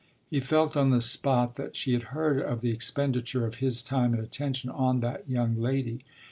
He felt on the spot that she had heard of the expenditure of his time and attention on that young lady.